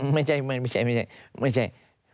ไม่ใช่ไม่ใช่